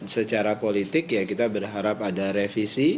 secara politik ya kita berharap ada revisi